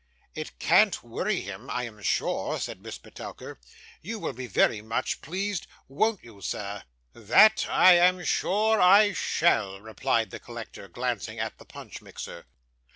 'It can't worry him, I am sure,' said Miss Petowker. 'You will be very much pleased, won't you, sir?' 'That I am sure I shall' replied the collector, glancing at the punch mixer.